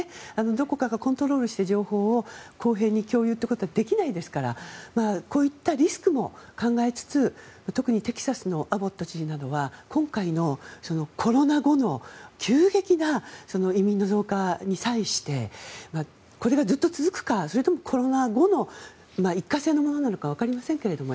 どこかがコントロールして情報を公平に共有ということはできないですからこういったリスクも考えつつ特にテキサスのアボット知事などは今回のコロナ後の急激な移民の増加に際してこれがずっと続くか、それともコロナ後の一過性のものなのか分かりませんけども